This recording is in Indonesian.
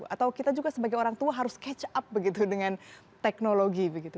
atau kita juga sebagai orang tua harus catch up begitu dengan teknologi begitu